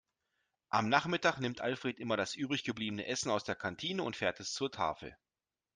Am Nachmittag nimmt Alfred immer das übrig gebliebene Essen aus der Kantine und fährt es zur Tafel.